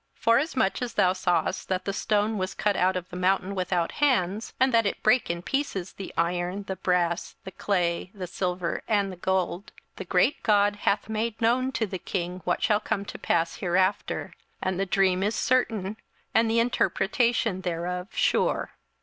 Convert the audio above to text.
27:002:045 Forasmuch as thou sawest that the stone was cut out of the mountain without hands, and that it brake in pieces the iron, the brass, the clay, the silver, and the gold; the great God hath made known to the king what shall come to pass hereafter: and the dream is certain, and the interpretation thereof sure.